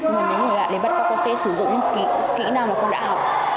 nhưng mà nếu người lạ để bắt cóc con sẽ sử dụng những kỹ năng mà con đã học